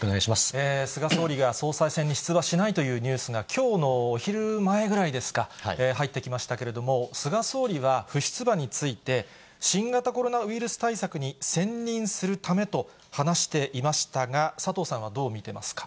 菅総理が総裁選に出馬しないというニュースが、きょうのお昼前ぐらいですか、入ってきましたけれども、菅総理は不出馬について、新型コロナウイルス対策に専任するためと話していましたが、佐藤さんはどう見てますか。